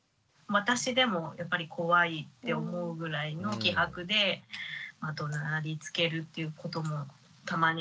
私でもやっぱり怖いって思うぐらいの気迫でどなりつけるっていうこともたまにあって。